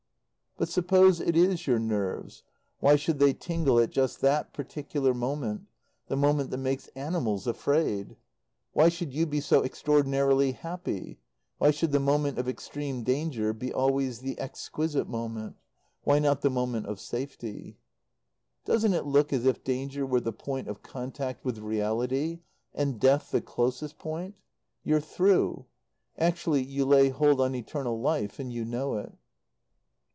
But suppose it is your nerves. Why should they tingle at just that particular moment, the moment that makes animals afraid? Why should you be so extraordinarily happy? Why should the moment of extreme danger be always the "exquisite" moment? Why not the moment of safety? Doesn't it look as if danger were the point of contact with reality, and death the closest point? You're through. Actually you lay hold on eternal life, and you know it.